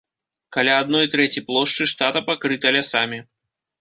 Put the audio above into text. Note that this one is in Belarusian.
Каля адной трэці плошчы штата пакрыта лясамі.